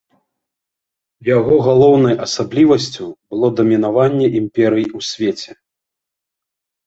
Яго галоўнай асаблівасцю было дамінаванне імперый у свеце.